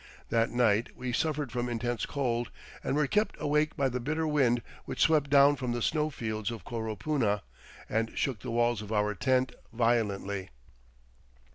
That night we suffered from intense cold and were kept awake by the bitter wind which swept down from the snow fields of Coropuna and shook the walls of our tent violently.